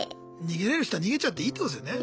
逃げれる人は逃げちゃっていいってことですよね。